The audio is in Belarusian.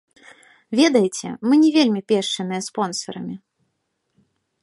Ведаеце, мы не вельмі пешчаныя спонсарамі.